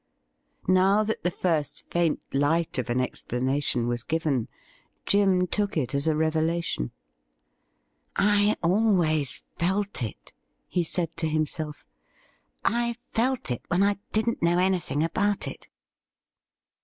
Now that the first faint light of an explanation was given, Jim took it as a revelation. ' I always felt it,' he said to himself. ' I felt it when I didn't know anything about it.'